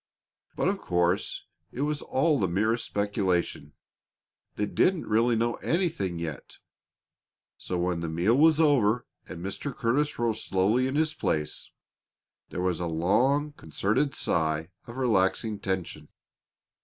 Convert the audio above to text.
But of course it was all the merest speculation; they didn't really know anything yet. So when the meal was over and Mr. Curtis rose slowly in his place, there was a long, concerted sigh of relaxing tension.